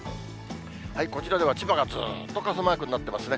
こちらでは千葉がずっと傘マークになってますね。